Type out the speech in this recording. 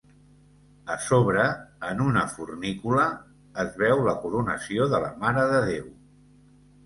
A sobre, en una fornícula, es veu la Coronació de la Mare de Déu.